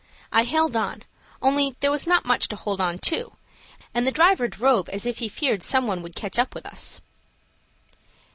I held on, only there was not much to hold on to, and the driver drove as if he feared some one would catch up with us.